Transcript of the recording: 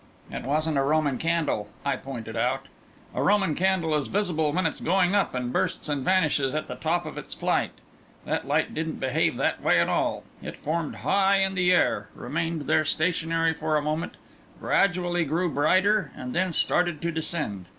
"It wasn't a Roman candle," I pointed out. "A Roman candle is visible when it's going up, and bursts and vanishes at the top of its flight. That light didn't behave that way at all. It formed high in the air, remained there stationary for a moment, gradually grew brighter, and then started to descend.